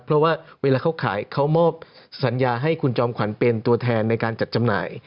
เพราะว่าเวลาเขาขายเขามอบสัญญาให้คุณจอมขวัญเป็นตัวแทนในการจัดจำหน่าย